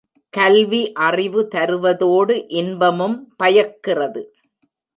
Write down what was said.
கல்வி அறிவு தருவதோடு இன்பமும் பயக்கிறது.